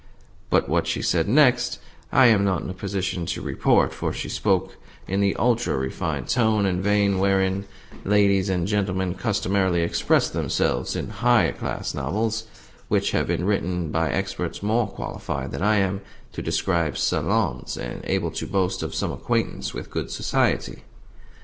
But what she said next I am not in a position to report, for she spoke in the ultra refined tone and vein wherein ladies and gentlemen customarily express themselves in high class novels which have been written by experts more qualified than I am to describe salons, and able to boast of some acquaintance with good society.